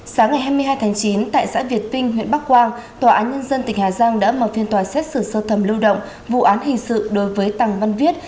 sáng ngày hai mươi hai tháng chín tại xã việt vinh huyện bắc quang tòa án nhân dân tỉnh hà giang đã mở phiên tòa xét xử sơ thẩm lưu động vụ án hình sự đối với tằng văn viết